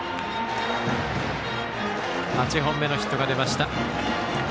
８本目のヒットが出ました。